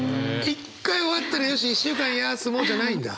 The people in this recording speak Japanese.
一回終わったらよし１週間休もうじゃないんだ？